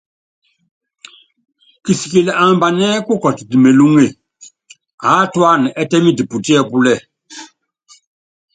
Kisikili ambanɛ́ kukɔtit mélúŋe, aátúana ɛ́tɛ́miti putiɛ́púlɛ.